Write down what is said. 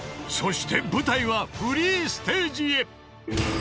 ［そして舞台はフリーステージへ］